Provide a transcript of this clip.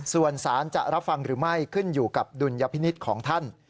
ส่วนสารจะรับฟังหรือไม่ขึ้นอยู่กับดุลยพินิษฐ์ของท่าน